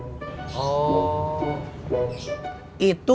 itu baru sejak itu